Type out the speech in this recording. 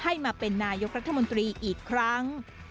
ให้มาเป็นนายกรัฐมนตรีอีกครั้ง